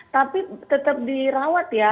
tapi tetap dirawat ya